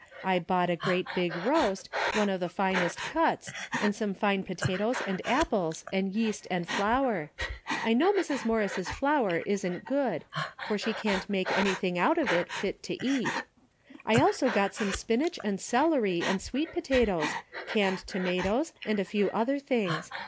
I bought a great big roast, one of the finest cuts, and some fine po tatoes and apples and yeast and flour. I know 130 DAILY BATEA^ Mrs. Morris' flour isn't good, for she can't make anything out of it fit to eat. I also got some spinach and celery and sweet potatoes, canned tomatoes and a few other things.